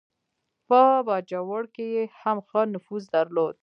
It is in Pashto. په باجوړ کې یې هم ښه نفوذ درلود.